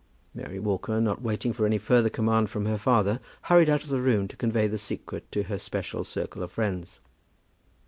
Mary Walker, not waiting for any further command from her father, hurried out of the room to convey the secret to her special circle of friends.